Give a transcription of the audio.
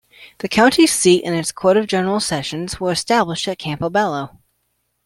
The county's seat and its court of general sessions were established at Campobello.